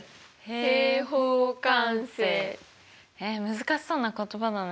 難しそうな言葉だね。